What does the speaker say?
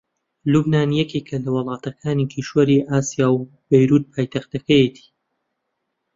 لوبنان یەکێکە لە وڵاتەکانی کیشوەری ئاسیا و بەیرووت پایتەختەکەیەتی